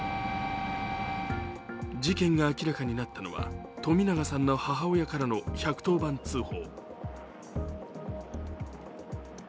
事件が明らかになったのは冨永さんの母親からの１１０番通報。